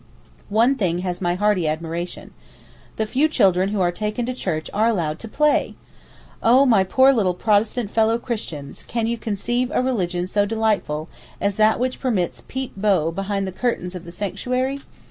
One thing has my hearty admiration. The few children who are taken to Church are allowed to play! Oh my poor little Protestant fellow Christians, can you conceive a religion so delightful as that which permits Peep bo behind the curtain of the sanctuary!